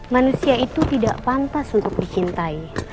manusia itu tidak pantas untuk dicintai